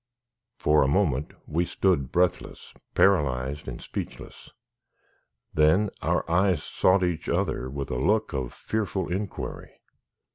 For a moment we stood breathless, paralyzed and speechless. Then our eyes sought each other with a look of fearful inquiry.